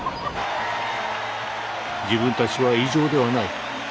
自分たちは異常ではない。